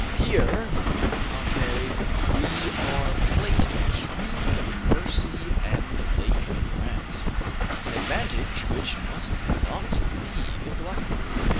Here, on the contrary, we are placed between the Mercy and Lake Grant, an advantage which must not be neglected.